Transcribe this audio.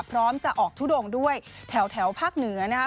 พร้อมจะออกทุดงด้วยแถวภาคเหนือนะครับ